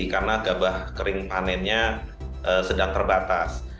karena gabah kering panennya sedang terbatas